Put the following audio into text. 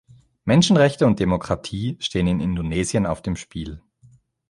Menschenrechte und Demokratie stehen in Indonesien auf dem Spiel.